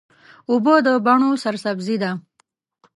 اوبه د بڼو سرسبزي ده.